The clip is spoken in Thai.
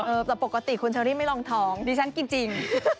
แต่ปกติคุณเชอรี่ไม่ลองท้องดิฉันกินจริง